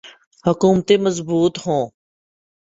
حکومتیں مضبوط ہوں۔